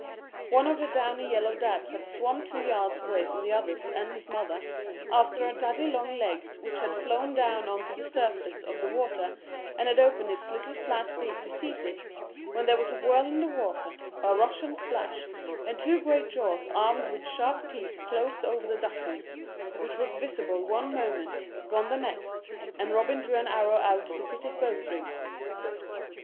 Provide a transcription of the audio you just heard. One of the downy yellow dabs had swum two yards away from the others and his mother, after a daddy long legs which had flown down on to the surface of the water, and had opened its little flat beak to seize it, when there was a whirl in the water, a rush and splash, and two great jaws armed with sharp teeth closed over the duckling, which was visible one moment, gone the next, and Robin drew an arrow out to fit to his bow string.